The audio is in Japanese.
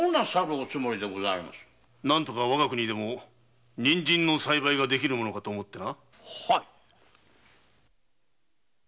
何とかわが国でも人参の栽培ができぬものかと思ってな。